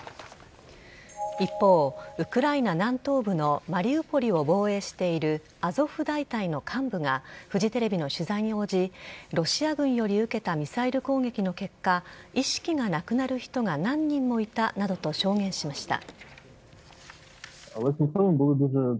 一方、ウクライナ南東部のマリウポリを防衛しているアゾフ大隊の幹部がフジテレビの取材に応じロシア軍より受けたミサイル攻撃の結果意識がなくなる人が何人もいたなどと証言しました。